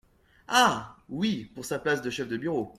Ah ! oui, pour sa place de chef de bureau.